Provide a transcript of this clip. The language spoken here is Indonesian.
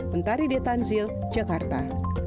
menteri detanzil jakarta